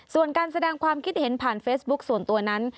ส่วนการแสดงความคิดเห็นผ่านเฟซบุ๊คส่วนตัวนั้น